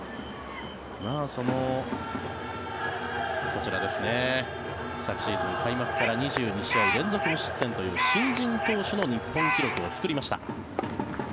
こちらですね昨シーズン開幕から２２試合連続無失点という新人投手の日本記録を作りました。